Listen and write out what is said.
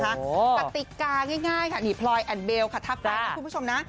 กติกาง่ายค่ะนี่พลอยแอตเบลขัดทักไปคุณผู้ชมนะ